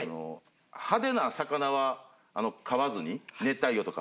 派手な魚は飼わずに熱帯魚とか。